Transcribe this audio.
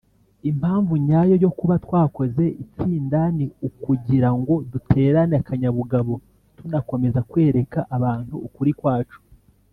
impamvu nyayo yo kuba twakoze itsindani ukugira ngo duterane akanyabugabo tunakomeza kwereka abantu ukuri kwacu